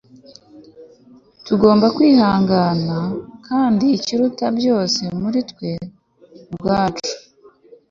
tugomba kwihangana kandi ikiruta byose muri twe ubwacu